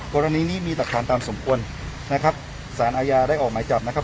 กรณีนี้มีหลักฐานตามสมควรนะครับสารอาญาได้ออกหมายจับนะครับ